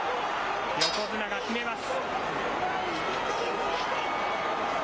横綱がきめます。